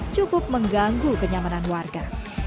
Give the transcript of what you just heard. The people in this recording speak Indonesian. cukup mengganggu kenyamanan warga